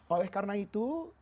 oleh karena itu